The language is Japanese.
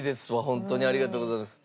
ホントにありがとうございます。